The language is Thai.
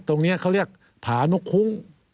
ตรงนี้เขาเรียกฐานกคุ้ง